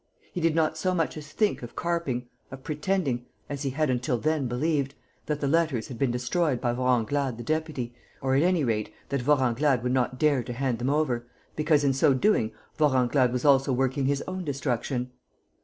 He did not so much as think of carping, of pretending as he had until then believed that the letters had been destroyed by Vorenglade the deputy or, at any rate, that Vorenglade would not dare to hand them over, because, in so doing, Vorenglade was also working his own destruction.